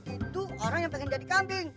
itu orang yang pengen jadi kambing